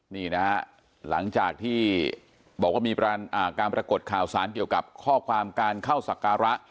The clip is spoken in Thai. นี่นะฮะหลังจากที่บอกว่ามีการปรากฏข่าวสารเกี่ยวกับข้อความการเข้าสักการะ